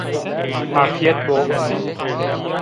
Afîyet bo